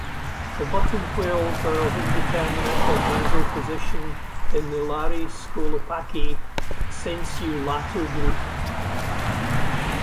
The buttonquails are of indeterminate or basal position in the Lari-Scolopaci "sensu lato" group.